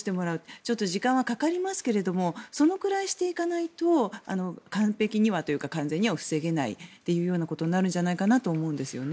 ちょっと時間はかかりますがそのくらいしていかないと完璧にはというか完全には防げないということになるんじゃないかと思いますね。